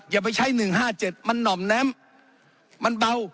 อย่าไปใช้หนึ่งห้าเจ็ดมันน่อมแน้มมันเบา